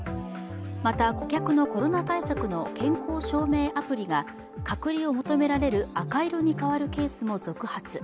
また顧客のコロナ対策の健康証明アプリが隔離を求められる赤色に変わるケースも続発。